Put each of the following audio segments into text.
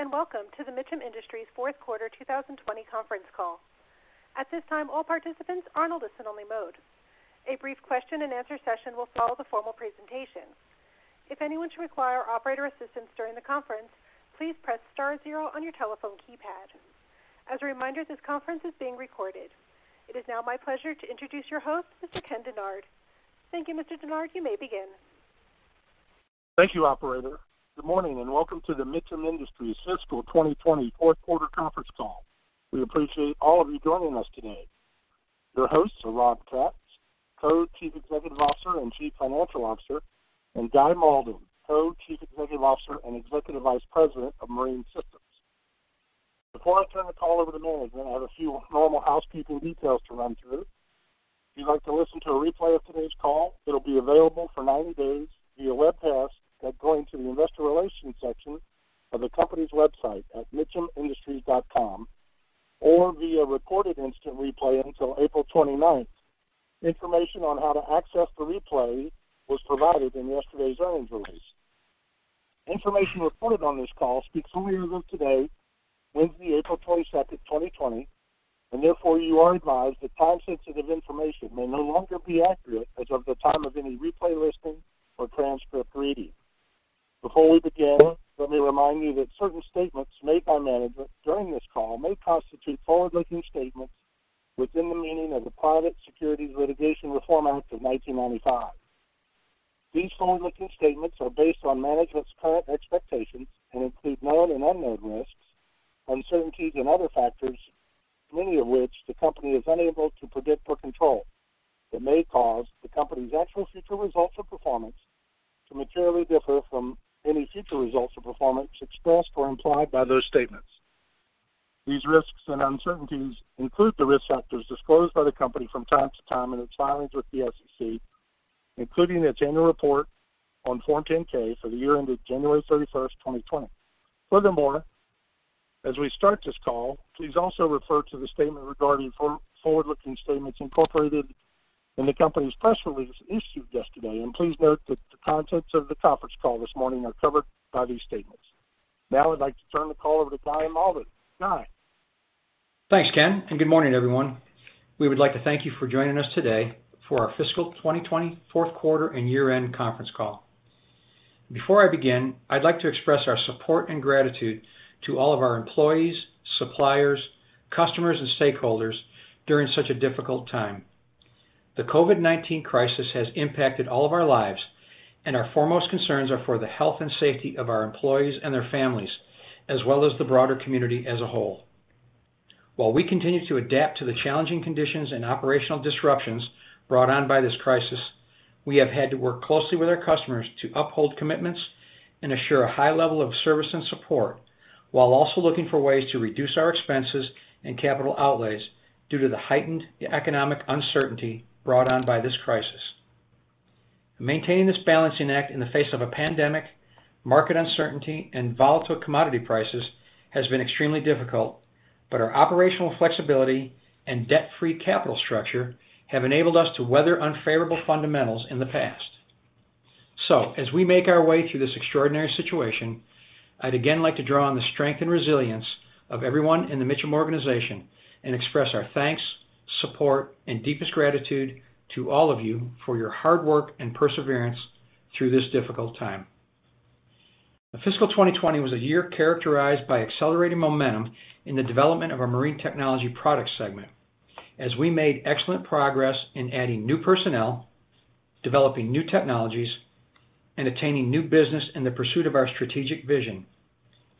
Greetings, and welcome to the Mitcham Industries fourth quarter 2020 conference call. At this time, all participants are on a listen-only mode. A brief question and answer session will follow the formal presentation. If anyone should require operator assistance during the conference, please press star zero on your telephone keypad. As a reminder, this conference is being recorded. It is now my pleasure to introduce your host, Mr. Ken Dennard. Thank you, Mr. Dennard. You may begin. Thank you, operator. Good morning, and welcome to the Mitcham Industries fiscal 2020 fourth quarter conference call. We appreciate all of you joining us today. Your hosts are Rob Capps, Co-Chief Executive Officer and Chief Financial Officer, and Guy Malden, Co-Chief Executive Officer and Executive Vice President of Marine Systems. Before I turn the call over to management, I have a few normal housekeeping details to run through. If you'd like to listen to a replay of today's call, it'll be available for 90 days via webcast by going to the investor relations section of the company's website at mitchamindustries.com or via recorded instant replay until April 29th. Information on how to access the replay was provided in yesterday's earnings release. Information reported on this call speaks only as of today, Wednesday, April 22nd, 2020, and therefore, you are advised that time-sensitive information may no longer be accurate as of the time of any replay listening or transcript reading. Before we begin, let me remind you that certain statements made by management during this call may constitute forward-looking statements within the meaning of the Private Securities Litigation Reform Act of 1995. These forward-looking statements are based on management's current expectations and include known and unknown risks, uncertainties, and other factors, many of which the company is unable to predict or control, that may cause the company's actual future results or performance to materially differ from any future results or performance expressed or implied by those statements. These risks and uncertainties include the risk factors disclosed by the company from time to time in its filings with the SEC, including its annual report on Form 10-K for the year ended January 31st, 2020. Furthermore, as we start this call, please also refer to the statement regarding forward-looking statements incorporated in the company's press release issued yesterday, and please note that the contents of the conference call this morning are covered by these statements. Now I'd like to turn the call over to Guy Malden. Guy? Thanks, Ken, and good morning, everyone. We would like to thank you for joining us today for our fiscal 2020 fourth quarter and year-end conference call. Before I begin, I'd like to express our support and gratitude to all of our employees, suppliers, customers, and stakeholders during such a difficult time. The COVID-19 crisis has impacted all of our lives, and our foremost concerns are for the health and safety of our employees and their families, as well as the broader community as a whole. While we continue to adapt to the challenging conditions and operational disruptions brought on by this crisis, we have had to work closely with our customers to uphold commitments and assure a high level of service and support, while also looking for ways to reduce our expenses and capital outlays due to the heightened economic uncertainty brought on by this crisis. Maintaining this balancing act in the face of a pandemic, market uncertainty, and volatile commodity prices has been extremely difficult, but our operational flexibility and debt-free capital structure have enabled us to weather unfavorable fundamentals in the past. As we make our way through this extraordinary situation, I'd again like to draw on the strength and resilience of everyone in the Mitcham organization and express our thanks, support, and deepest gratitude to all of you for your hard work and perseverance through this difficult time. Fiscal 2020 was a year characterized by accelerating momentum in the development of our Marine Technology Products segment as we made excellent progress in adding new personnel, developing new technologies, and attaining new business in the pursuit of our strategic vision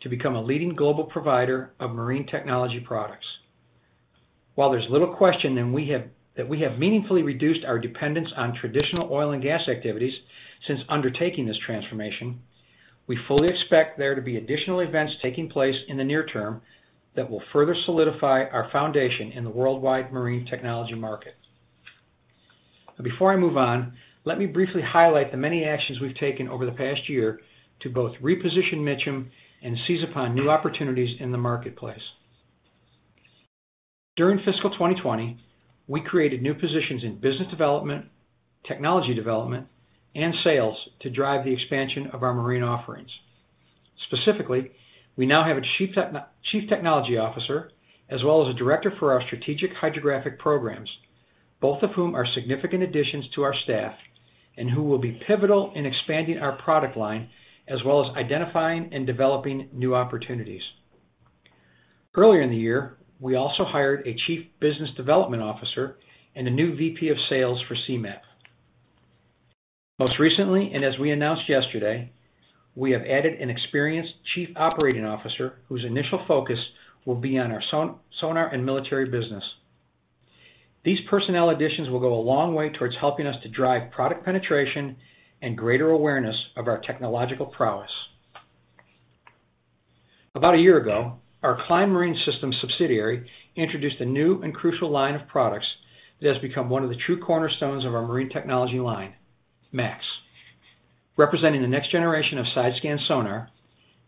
to become a leading global provider of marine technology products. While there's little question that we have meaningfully reduced our dependence on traditional oil and gas activities since undertaking this transformation, we fully expect there to be additional events taking place in the near term that will further solidify our foundation in the worldwide marine technology market. Before I move on, let me briefly highlight the many actions we've taken over the past year to both reposition Mitcham and seize upon new opportunities in the marketplace. During fiscal 2020, we created new positions in business development, technology development, and sales to drive the expansion of our marine offerings. Specifically, we now have a Chief Technology Officer as well as a director for our strategic hydrographic programs, both of whom are significant additions to our staff and who will be pivotal in expanding our product line as well as identifying and developing new opportunities. Earlier in the year, we also hired a chief business development officer and a new VP of sales for Seamap. Most recently, and as we announced yesterday, we have added an experienced chief operating officer whose initial focus will be on our sonar and military business. These personnel additions will go a long way towards helping us to drive product penetration and greater awareness of our technological prowess. About a year ago, our Klein Marine Systems subsidiary introduced a new and crucial line of products that has become one of the true cornerstones of our Marine Technology line, MA-X. Representing the next generation of side-scan sonar,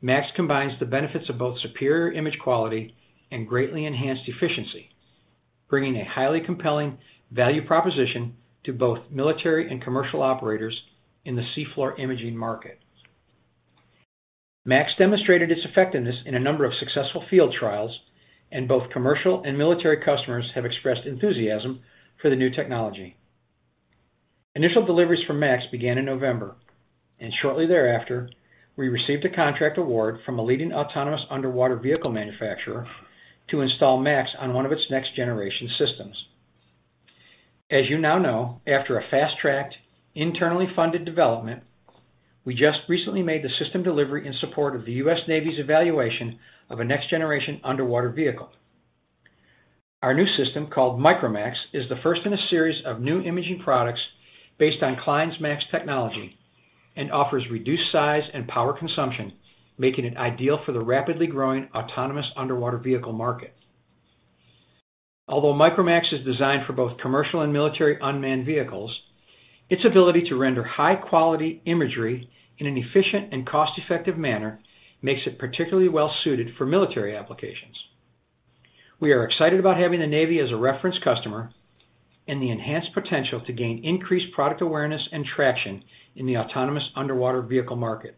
MA-X combines the benefits of both superior image quality and greatly enhanced efficiency, bringing a highly compelling value proposition to both military and commercial operators in the seafloor imaging market. MA-X demonstrated its effectiveness in a number of successful field trials, and both commercial and military customers have expressed enthusiasm for the new technology. Initial deliveries from MA-X began in November, and shortly thereafter, we received a contract award from a leading autonomous underwater vehicle manufacturer to install MA-X on one of its next-generation systems. As you now know, after a fast-tracked, internally funded development, we just recently made the system delivery in support of the U.S. Navy's evaluation of a next-generation underwater vehicle. Our new system, called µMAX, is the first in a series of new imaging products based on Klein's MA-X technology and offers reduced size and power consumption, making it ideal for the rapidly growing autonomous underwater vehicle market. Although µMAX is designed for both commercial and military unmanned vehicles, its ability to render high-quality imagery in an efficient and cost-effective manner makes it particularly well-suited for military applications. We are excited about having the Navy as a reference customer and the enhanced potential to gain increased product awareness and traction in the autonomous underwater vehicle market.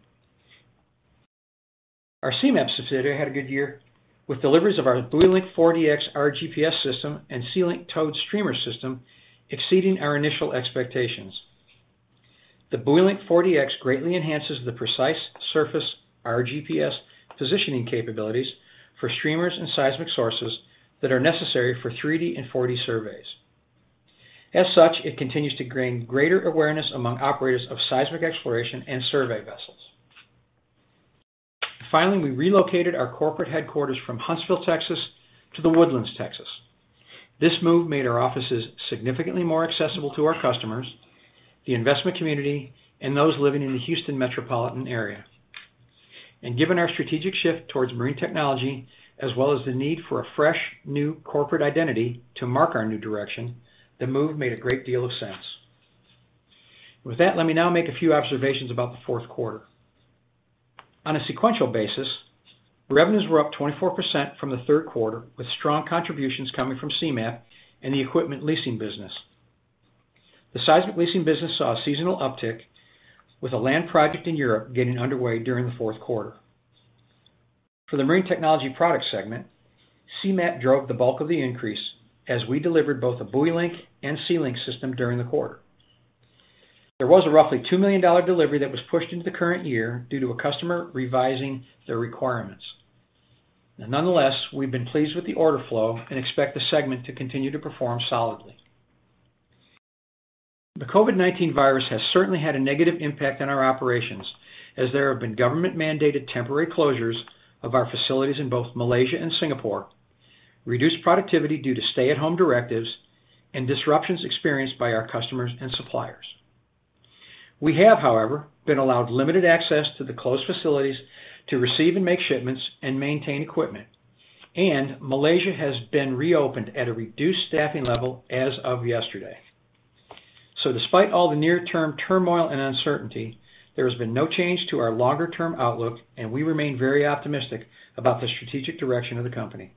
Our Seamap subsidiary had a good year, with deliveries of our BuoyLink 40X RGPS system and SeaLink towed streamer system exceeding our initial expectations. The BuoyLink 40X greatly enhances the precise surface RGPS positioning capabilities for streamers and seismic sources that are necessary for 3D and 4D surveys. As such, it continues to gain greater awareness among operators of seismic exploration and survey vessels. Finally, we relocated our corporate headquarters from Huntsville, Texas, to The Woodlands, Texas. This move made our offices significantly more accessible to our customers, the investment community, and those living in the Houston metropolitan area. Given our strategic shift towards Marine Technology, as well as the need for a fresh new corporate identity to mark our new direction, the move made a great deal of sense. With that, let me now make a few observations about the fourth quarter. On a sequential basis, revenues were up 24% from the third quarter, with strong contributions coming from Seamap and the equipment leasing business. The seismic leasing business saw a seasonal uptick, with a land project in Europe getting underway during the fourth quarter. For the Marine Technology Products segment, Seamap drove the bulk of the increase as we delivered both a BuoyLink and SeaLink system during the quarter. There was a roughly $2 million delivery that was pushed into the current year due to a customer revising their requirements. Nonetheless, we've been pleased with the order flow and expect the segment to continue to perform solidly. The COVID-19 has certainly had a negative impact on our operations, as there have been government-mandated temporary closures of our facilities in both Malaysia and Singapore, reduced productivity due to stay-at-home directives, and disruptions experienced by our customers and suppliers. We have, however, been allowed limited access to the closed facilities to receive and make shipments and maintain equipment. Malaysia has been reopened at a reduced staffing level as of yesterday. Despite all the near-term turmoil and uncertainty, there has been no change to our longer-term outlook, and we remain very optimistic about the strategic direction of the company.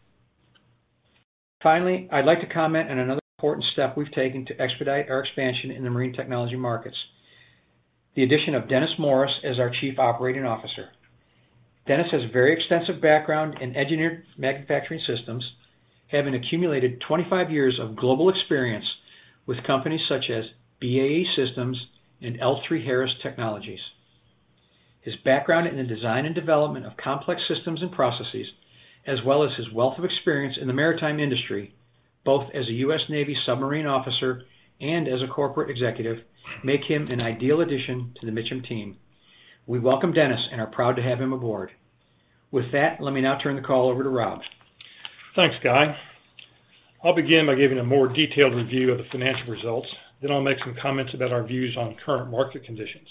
Finally, I'd like to comment on another important step we've taken to expedite our expansion in the marine technology markets, the addition of Dennis Morris as our chief operating officer. Dennis has a very extensive background in engineered manufacturing systems, having accumulated 25 years of global experience with companies such as BAE Systems and L3Harris Technologies. His background in the design and development of complex systems and processes, as well as his wealth of experience in the maritime industry, both as a US Navy submarine officer and as a corporate executive, make him an ideal addition to the Mitcham team. We welcome Dennis and are proud to have him aboard. With that, let me now turn the call over to Rob. Thanks, Guy. I'll begin by giving a more detailed review of the financial results. I'll make some comments about our views on current market conditions.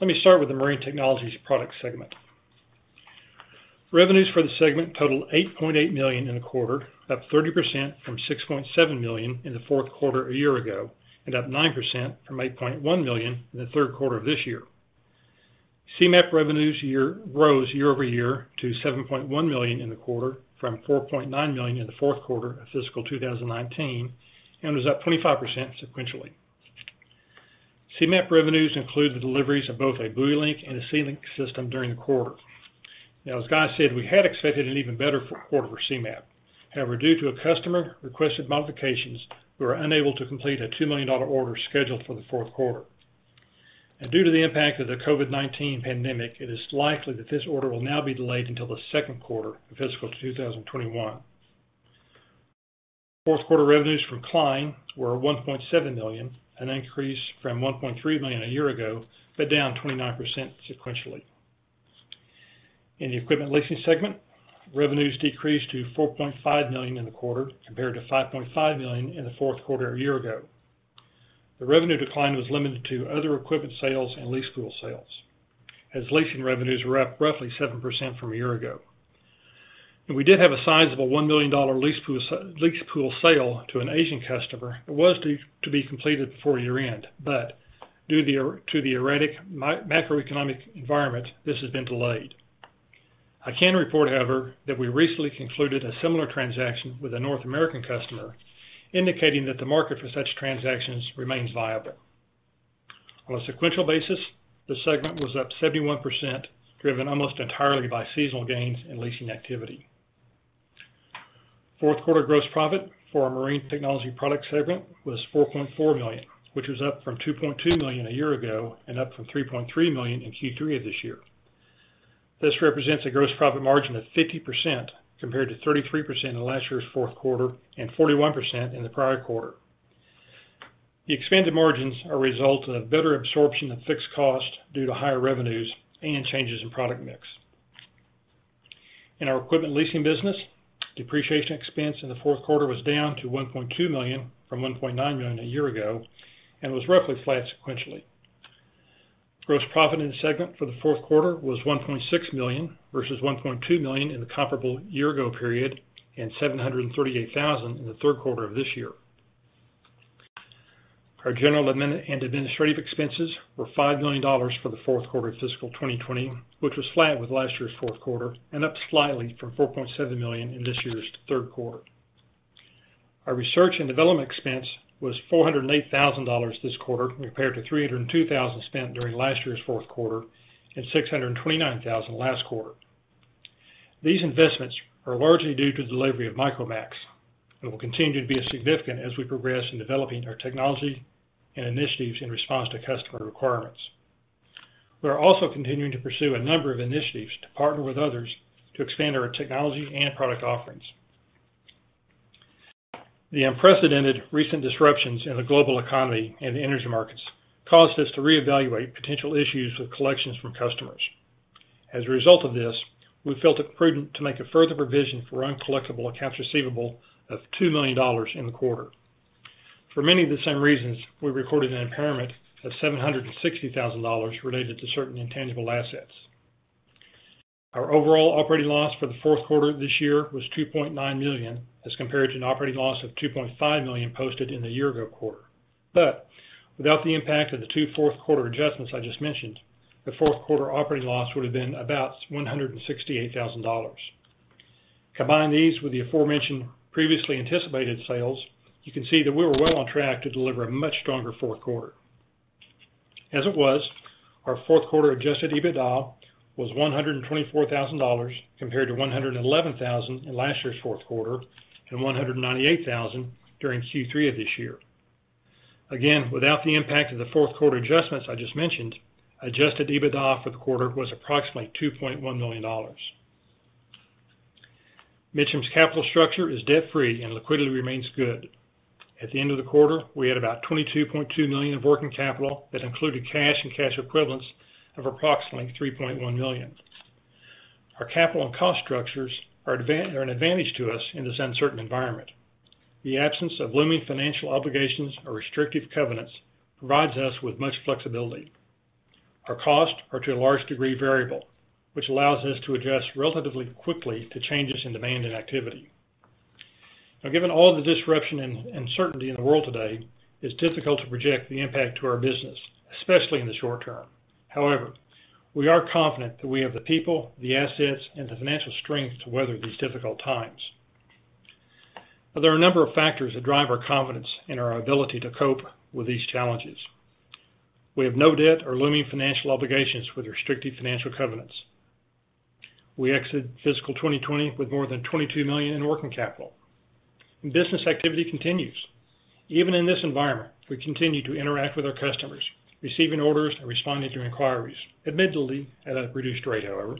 Let me start with the Marine Technology Products segment. Revenues for the segment totaled $8.8 million in the quarter, up 30% from $6.7 million in the fourth quarter a year ago, and up 9% from $8.1 million in the third quarter of this year. Seamap revenues rose year-over-year to $7.1 million in the quarter from $4.9 million in the fourth quarter of fiscal 2019 and was up 25% sequentially. Seamap revenues include the deliveries of both a BuoyLink and a SeaLink system during the quarter. As Guy said, we had expected an even better quarter for Seamap. Due to customer-requested modifications, we were unable to complete a $2 million order scheduled for the fourth quarter. Due to the impact of the COVID-19 pandemic, it is likely that this order will now be delayed until the second quarter of fiscal 2021. Fourth quarter revenues from Klein were $1.7 million, an increase from $1.3 million a year ago, but down 29% sequentially. In the equipment leasing segment, revenues decreased to $4.5 million in the quarter compared to $5.5 million in the fourth quarter a year ago. The revenue decline was limited to other equipment sales and lease pool sales, as leasing revenues were up roughly 7% from a year ago. We did have a sizable $1 million lease pool sale to an Asian customer that was to be completed before year-end, but due to the erratic macroeconomic environment, this has been delayed. I can report, however, that we recently concluded a similar transaction with a North American customer, indicating that the market for such transactions remains viable. On a sequential basis, the segment was up 71%, driven almost entirely by seasonal gains and leasing activity. Fourth quarter gross profit for our Marine Technology Products segment was $4.4 million, which was up from $2.2 million a year ago and up from $3.3 million in Q3 of this year. This represents a gross profit margin of 50%, compared to 33% in last year's fourth quarter and 41% in the prior quarter. The expanded margins are a result of better absorption of fixed costs due to higher revenues and changes in product mix. In our equipment leasing business, depreciation expense in the fourth quarter was down to $1.2 million from $1.9 million a year ago, and was roughly flat sequentially. Gross profit in the segment for the fourth quarter was $1.6 million versus $1.2 million in the comparable year-ago period, and $738,000 in the third quarter of this year. Our general and administrative expenses were $5 million for the fourth quarter of fiscal 2020, which was flat with last year's fourth quarter and up slightly from $4.7 million in this year's third quarter. Our research and development expense was $408,000 this quarter compared to $302,000 spent during last year's fourth quarter, and $629,000 last quarter. These investments are largely due to the delivery of µMAX and will continue to be as significant as we progress in developing our technology and initiatives in response to customer requirements. We are also continuing to pursue a number of initiatives to partner with others to expand our technology and product offerings. The unprecedented recent disruptions in the global economy and energy markets caused us to reevaluate potential issues with collections from customers. As a result of this, we felt it prudent to make a further provision for uncollectible accounts receivable of $2 million in the quarter. For many of the same reasons, we recorded an impairment of $760,000 related to certain intangible assets. Our overall operating loss for the fourth quarter this year was $2.9 million, as compared to an operating loss of $2.5 million posted in the year-ago quarter. Without the impact of the two fourth quarter adjustments I just mentioned, the fourth quarter operating loss would have been about $168,000. Combine these with the aforementioned previously anticipated sales, you can see that we were well on track to deliver a much stronger fourth quarter. As it was, our fourth quarter adjusted EBITDA was $124,000, compared to $111,000 in last year's fourth quarter and $198,000 during Q3 of this year. Again, without the impact of the fourth quarter adjustments I just mentioned, adjusted EBITDA for the quarter was approximately $2.1 million. Mitcham's capital structure is debt-free and liquidity remains good. At the end of the quarter, we had about $22.2 million of working capital that included cash and cash equivalents of approximately $3.1 million. Our capital and cost structures are an advantage to us in this uncertain environment. The absence of looming financial obligations or restrictive covenants provides us with much flexibility. Our costs are to a large degree variable, which allows us to adjust relatively quickly to changes in demand and activity. Now, given all the disruption and uncertainty in the world today, it's difficult to project the impact to our business, especially in the short term. However, we are confident that we have the people, the assets, and the financial strength to weather these difficult times. There are a number of factors that drive our confidence in our ability to cope with these challenges. We have no debt or looming financial obligations with restrictive financial covenants. We exit fiscal 2020 with more than $22 million in working capital. Business activity continues. Even in this environment, we continue to interact with our customers, receiving orders, and responding to inquiries, admittedly at a reduced rate, however.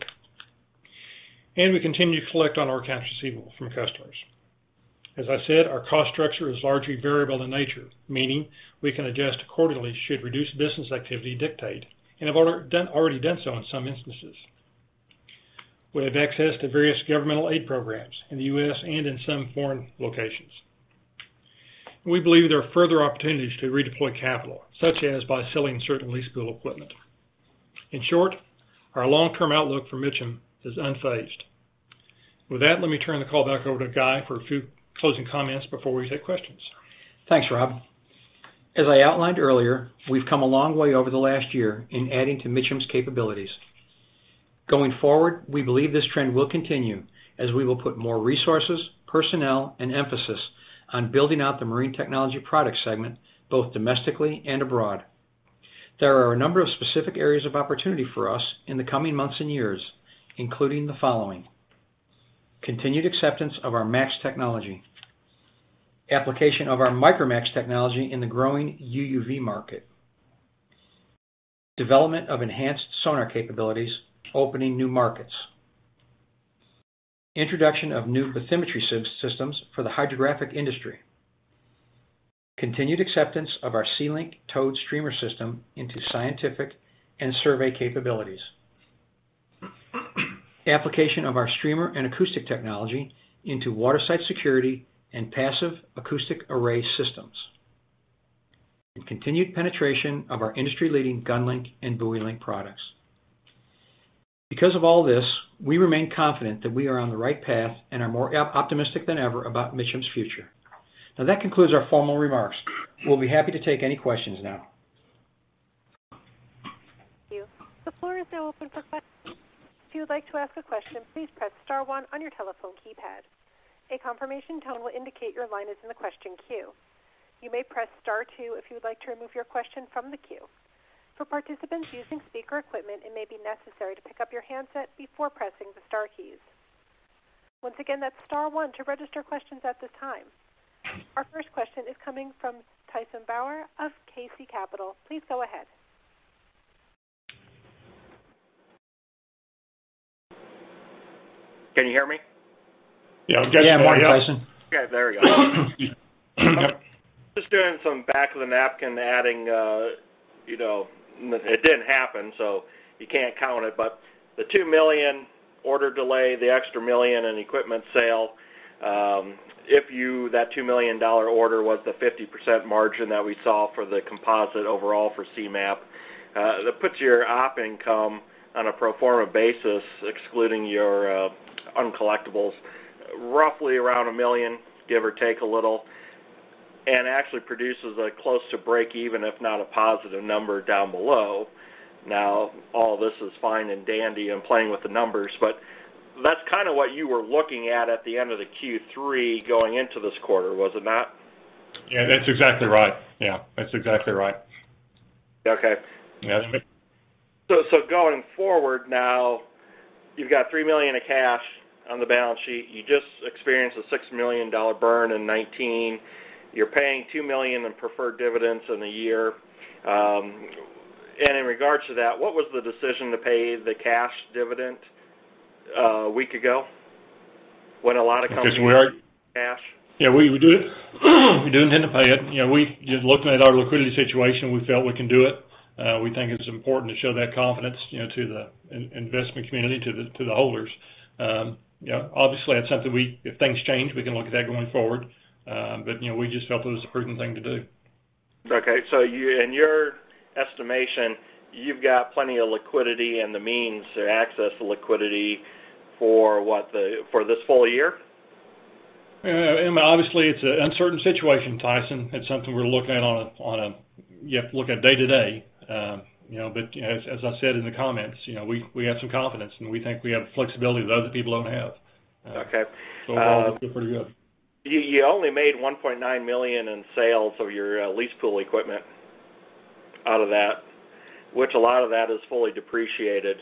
We continue to collect on our accounts receivable from customers. As I said, our cost structure is largely variable in nature, meaning we can adjust accordingly should reduced business activity dictate, and have already done so in some instances. We have access to various governmental aid programs in the U.S. and in some foreign locations. We believe there are further opportunities to redeploy capital, such as by selling certain lease equipment. In short, our long-term outlook for Mitcham is unfazed. With that, let me turn the call back over to Guy for a few closing comments before we take questions. Thanks, Rob. As I outlined earlier, we've come a long way over the last year in adding to Mitcham's capabilities. Going forward, we believe this trend will continue as we will put more resources, personnel, and emphasis on building out the Marine Technology Products segment, both domestically and abroad. There are a number of specific areas of opportunity for us in the coming months and years, including the following. Continued acceptance of our MA-X technology. Application of our µMAX technology in the growing UUV market. Development of enhanced sonar capabilities, opening new markets. Introduction of new bathymetry systems for the hydrographic industry. Continued acceptance of our SeaLink towed streamer system into scientific and survey capabilities. Application of our streamer and acoustic technology into waterside security and passive acoustic array systems. Continued penetration of our industry-leading GunLink and BuoyLink products. Because of all this, we remain confident that we are on the right path and are more optimistic than ever about Mitcham's future. Now that concludes our formal remarks. We'll be happy to take any questions now. Thank you. The floor is now open for questions. If you would like to ask a question, please press star one on your telephone keypad. A confirmation tone will indicate your line is in the question queue. You may press star two if you would like to remove your question from the queue. For participants using speaker equipment, it may be necessary to pick up your handset before pressing the star keys. Once again, that is star one to register questions at this time. Our first question is coming from Tyson Bauer of KC Capital. Please go ahead. Can you hear me? Yeah. I'm getting you now. Yeah. I'm hearing you, Tyson. Okay. There we go. Yep. Just doing some back of the napkin adding. It didn't happen, so you can't count it, but the $2 million order delay, the extra $1 million in equipment sale, if that $2 million order was the 50% margin that we saw for the composite overall for Seamap, that puts your op income on a pro forma basis, excluding your uncollectibles, roughly around $1 million, give or take a little, and actually produces a close to break even, if not a positive number down below. Now, all this is fine and dandy and playing with the numbers, but that's kind of what you were looking at at the end of the Q3 going into this quarter, was it not? Yeah, that's exactly right. Yeah. That's exactly right. Okay. Yes. Going forward now, you've got $3 million of cash on the balance sheet. You just experienced a $6 million burn in 2019. You're paying $2 million in preferred dividends in a year. In regards to that, what was the decision to pay the cash dividend a week ago? Because we are- Cash? We do intend to pay it. Looking at our liquidity situation, we felt we can do it. We think it's important to show that confidence to the investment community, to the holders. Obviously, if things change, we can look at that going forward. We just felt it was a prudent thing to do. Okay. In your estimation, you've got plenty of liquidity and the means to access the liquidity for this full year? Obviously, it's an uncertain situation, Tyson. It's something you have to look at day to day. As I said in the comments, we have some confidence, and we think we have flexibility that other people don't have. Okay. Overall, we feel pretty good. You only made $1.9 million in sales of your lease pool equipment out of that, which a lot of that is fully depreciated.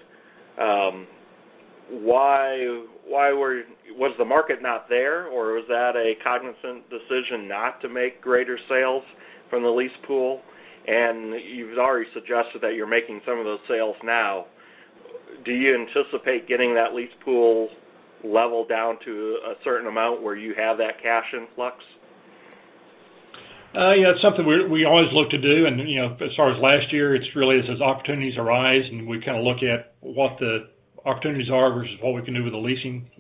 Was the market not there, or was that a cognizant decision not to make greater sales from the lease pool? You've already suggested that you're making some of those sales now. Do you anticipate getting that lease pool level down to a certain amount where you have that cash influx? Yeah, it's something we always look to do. As far as last year, it's really as opportunities arise, and we kind of look at what the opportunities are versus what we can do with leasing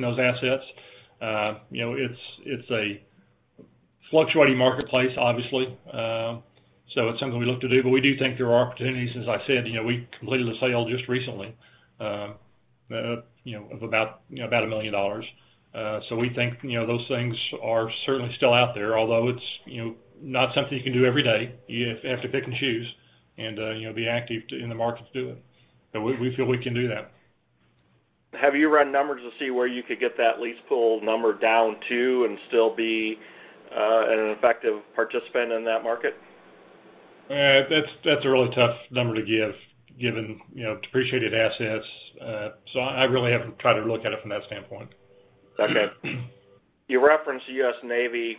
those assets. It's a fluctuating marketplace, obviously. It's something we look to do, but we do think there are opportunities. As I said, we completed a sale just recently of about $1 million. We think those things are certainly still out there, although it's not something you can do every day. You have to pick and choose and be active in the market to do it. We feel we can do that. Have you run numbers to see where you could get that lease pool number down to and still be an effective participant in that market? That's a really tough number to give, given depreciated assets. I really haven't tried to look at it from that standpoint. Okay. You referenced the U.S. Navy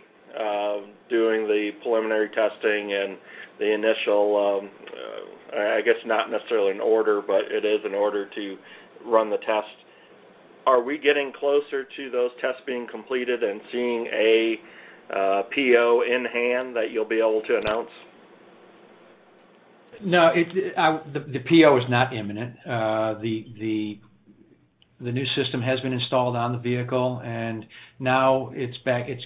doing the preliminary testing and the initial, I guess, not necessarily an order, but it is an order to run the test. Are we getting closer to those tests being completed and seeing a PO in hand that you'll be able to announce? No, the PO is not imminent. The new system has been installed on the vehicle, now it's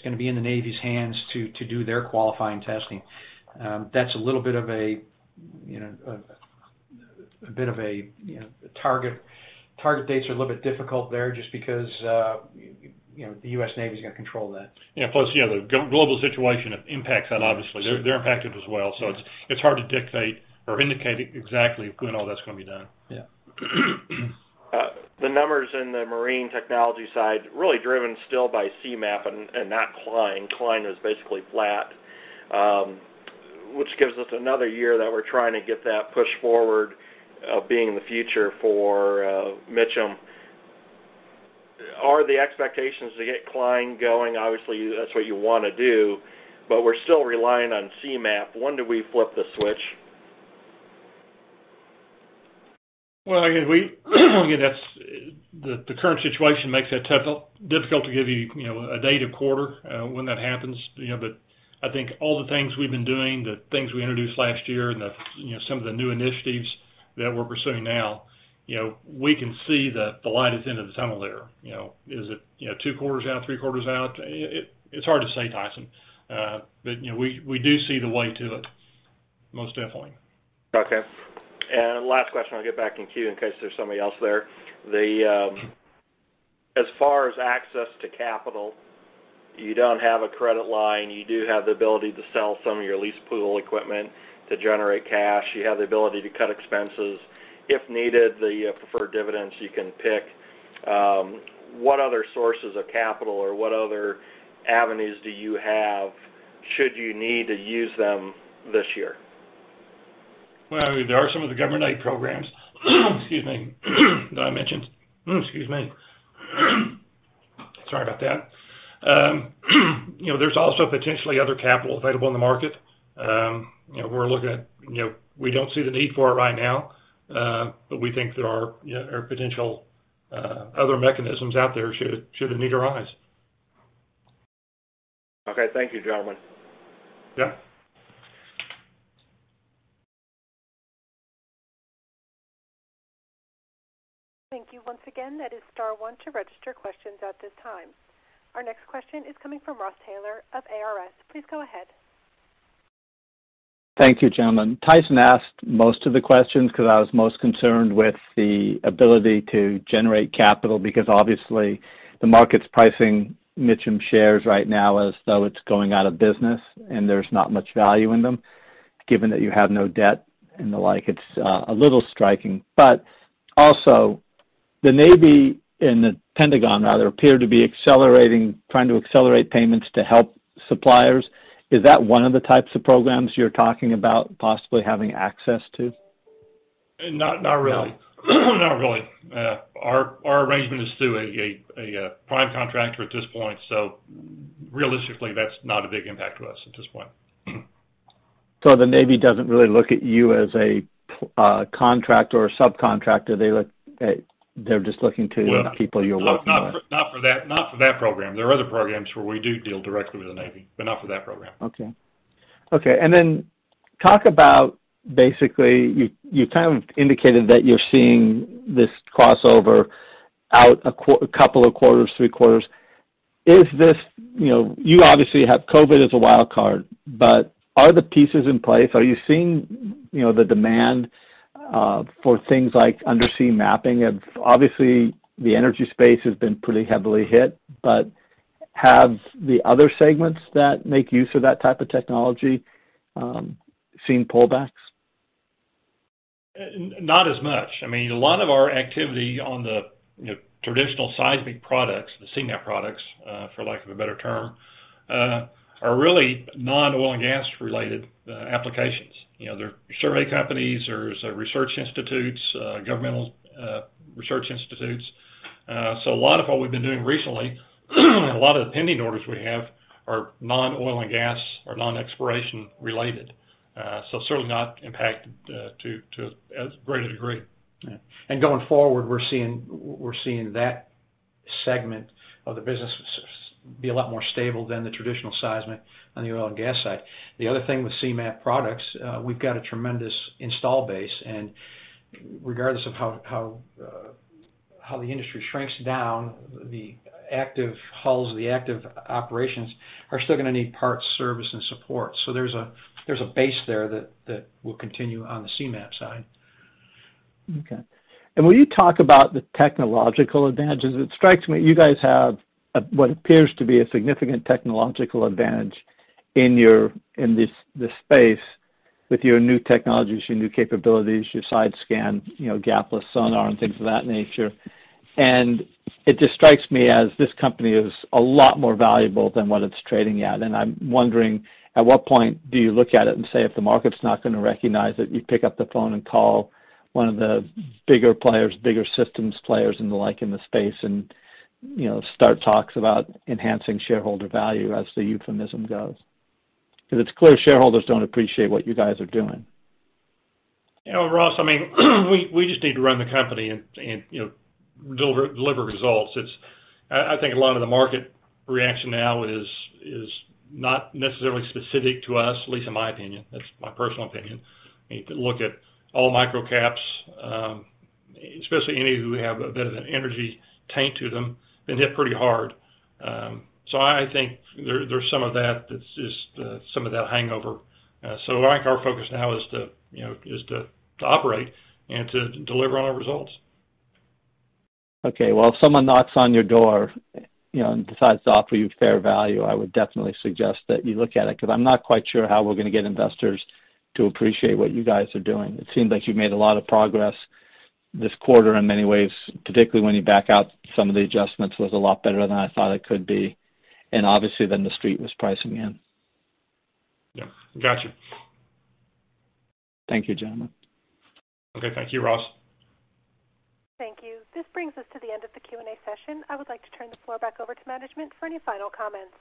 going to be in the Navy's hands to do their qualifying testing. Target dates are a little bit difficult there just because the U.S. Navy's got to control that. Yeah. Plus the global situation impacts that obviously. They're impacted as well. It's hard to dictate or indicate exactly when all that's going to be done. Yeah. The numbers in the Marine Technology side, really driven still by Seamap and not Klein. Klein is basically flat, which gives us another year that we're trying to get that push forward being the future for Mitcham. Are the expectations to get Klein going? Obviously, that's what you want to do, but we're still relying on Seamap. When do we flip the switch? Well, again, the current situation makes that difficult to give you a date or quarter when that happens. I think all the things we've been doing, the things we introduced last year, and some of the new initiatives that we're pursuing now, we can see that the light at the end of the tunnel there. Is it two quarters out, three quarters out? It's hard to say, Tyson. We do see the light to it, most definitely. Okay. Last question, I'll get back in queue in case there's somebody else there. As far as access to capital, you don't have a credit line. You do have the ability to sell some of your lease pool equipment to generate cash. You have the ability to cut expenses. If needed, the preferred dividends you can pick. What other sources of capital or what other avenues do you have should you need to use them this year? Well, there are some of the government aid programs excuse me, that I mentioned. Excuse me. Sorry about that. There's also potentially other capital available in the market. We don't see the need for it right now, but we think there are potential other mechanisms out there should a need arise. Okay. Thank you, gentlemen. Yeah. Thank you once again. That is star one to register questions at this time. Our next question is coming from Ross Taylor of ARS. Please go ahead. Thank you, gentlemen. Tyson asked most of the questions because I was most concerned with the ability to generate capital, because obviously the market's pricing Mitcham shares right now as though it's going out of business and there's not much value in them. Given that you have no debt and the like, it's a little striking. But also the Navy and The Pentagon rather, appear to be trying to accelerate payments to help suppliers. Is that one of the types of programs you're talking about possibly having access to? Not really. Not really. Our arrangement is through a prime contractor at this point. Realistically, that's not a big impact to us at this point. The Navy doesn't really look at you as a contractor or subcontractor. They're just looking to people you're working with. Not for that program. There are other programs where we do deal directly with the Navy, but not for that program. Okay. Talk about, basically, you kind of indicated that you're seeing this crossover out a couple of quarters, three quarters. You obviously have COVID as a wild card, are the pieces in place? Are you seeing the demand for things like undersea mapping? Obviously, the energy space has been pretty heavily hit, have the other segments that make use of that type of technology seen pullbacks? Not as much. A lot of our activity on the traditional seismic products, the Seamap products, for lack of a better term, are really non-oil and gas-related applications. They're survey companies. There's research institutes, governmental research institutes. A lot of what we've been doing recently and a lot of the pending orders we have are non-oil and gas or non-exploration related. Certainly not impacted to as great a degree. Yeah. Going forward, we're seeing that segment of the business be a lot more stable than the traditional seismic on the oil and gas side. The other thing with Seamap products, we've got a tremendous install base, and regardless of how the industry shrinks down, the active hulls or the active operations are still going to need parts, service, and support. There's a base there that will continue on the Seamap side. Okay. Will you talk about the technological advantages? It strikes me, you guys have what appears to be a significant technological advantage in this space with your new technologies, your new capabilities, your side scan, gap filler sonar and things of that nature. It just strikes me as this company is a lot more valuable than what it's trading at. I'm wondering at what point do you look at it and say, if the market's not going to recognize it, you pick up the phone and call one of the bigger players, bigger systems players and the like in the space and start talks about enhancing shareholder value as the euphemism goes, because it's clear shareholders don't appreciate what you guys are doing. Ross, we just need to run the company and deliver results. I think a lot of the market reaction now is not necessarily specific to us, at least in my opinion. That's my personal opinion. If you look at all micro caps, especially any who have a bit of an energy taint to them, been hit pretty hard. I think there's some of that hangover. I think our focus now is to operate and to deliver on our results. Okay. Well, if someone knocks on your door and decides to offer you fair value, I would definitely suggest that you look at it, because I'm not quite sure how we're going to get investors to appreciate what you guys are doing. It seems like you've made a lot of progress this quarter in many ways, particularly when you back out some of the adjustments, was a lot better than I thought it could be, and obviously than the Street was pricing in. Yeah. Got you. Thank you, gentlemen. Okay. Thank you, Ross. Thank you. This brings us to the end of the Q&A session. I would like to turn the floor back over to management for any final comments.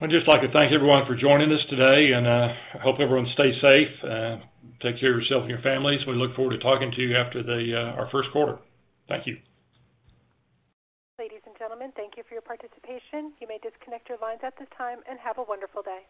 I'd just like to thank everyone for joining us today, and I hope everyone stays safe. Take care of yourself and your families. We look forward to talking to you after our first quarter. Thank you. Ladies and gentlemen, thank you for your participation. You may disconnect your lines at this time, and have a wonderful day.